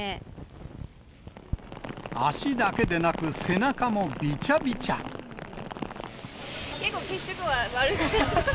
足だけでなく、結構、血色が悪くなっている。